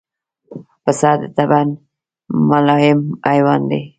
پسه د طبعاً ملایم حیوان دی.